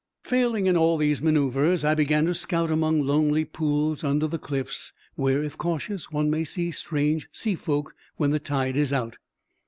Failing in all these manœuvres, I began to scout among lonely pools under the cliffs, where, if cautious, one may see strange sea folk when the tide is out.